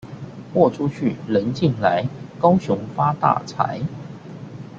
貨出去、人進來，高雄發大財！